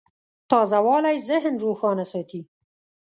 تازهوالی ذهن روښانه ساتي.